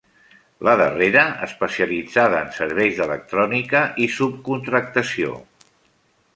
La darrera especialitzada en serveis d'electrònica i subcontractació.